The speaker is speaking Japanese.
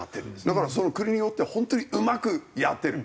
だからその国によっては本当にうまくやってる。